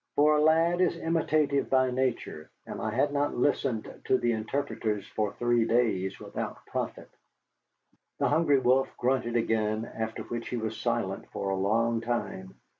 For a lad is imitative by nature, and I had not listened to the interpreters for three days without profit. The Hungry Wolf grunted again, after which he was silent for a long time.